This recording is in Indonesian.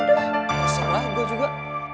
gak salah gue juga